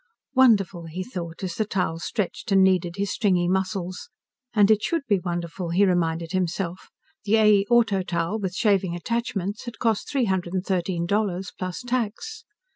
Wonderful, he thought, as the towel stretched and kneaded his stringy muscles. And it should be wonderful, he reminded himself. The A. E. Auto towel with shaving attachments had cost three hundred and thirteen dollars, plus tax.